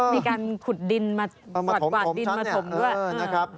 มีการขุดดินมากวาดดินมาถมด้วย